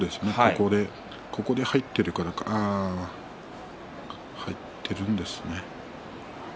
ここで入っているか入っているんですね。